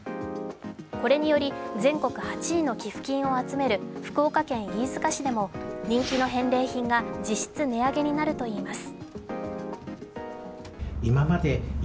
これにより、全国８位の寄付金を集める福岡県飯塚市でも人気の返礼品が実質値上げになるといいます。